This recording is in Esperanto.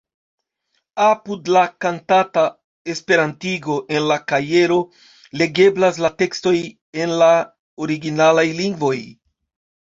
Apud la kantata esperantigo, en la kajero legeblas la tekstoj en la originalaj lingvoj.